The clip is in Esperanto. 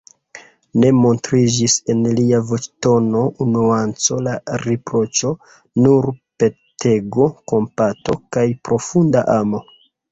Ne montriĝis en lia voĉtono nuanco de riproĉo, nur petego, kompato kaj profunda amo.